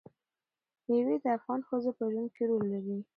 مېوې د افغان ښځو په ژوند کې رول لري.